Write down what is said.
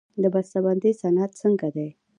د بسته بندۍ صنعت څنګه دی؟